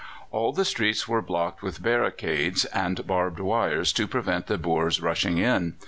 All the streets were blocked with barricades and barbed wires to prevent the Boers rushing in.